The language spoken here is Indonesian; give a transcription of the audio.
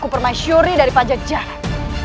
dan permaisuri dari pajak jalan